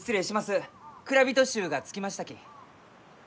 蔵人衆が着きましたき。